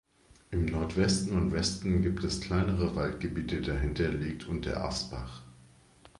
Im Nordwesten und Westen gibt es kleinere Waldgebiete, dahinter liegt Unterasbach.